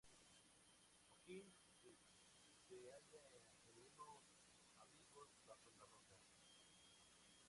Ojin-ri se halla en unos abrigos bajo la roca.